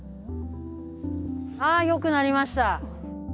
ああよくなりました。